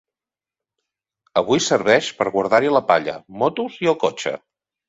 Avui serveix per guardar-hi la palla, motos i el cotxe.